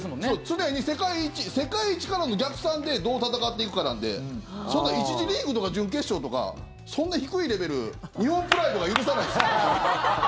常に世界一からの逆算でどう戦っていくかなんでそんな１次リーグとか準決勝とかそんな低いレベル日本プライドが許さないですよ。